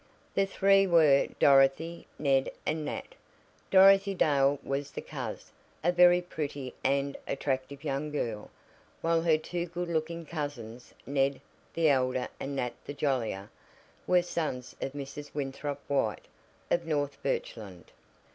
The three were Dorothy, Ned and Nat. Dorothy Dale was the "coz," a very pretty and attractive young girl, while her two good looking cousins, Ned the elder and Nat the jollier, were sons of Mrs. Winthrop White, of North Birchland.